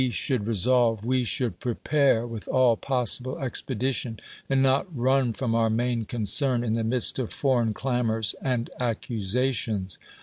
121 THE WORLD'S FAMOUS ORATIONS solve, we should prepare with all possible ex pedition, and not run from our main concern in the midst of foreign clamors and accusations.